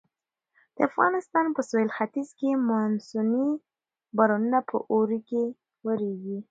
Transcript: د افغانستان په سویل ختیځ کې مونسوني بارانونه په اوړي کې ورېږي.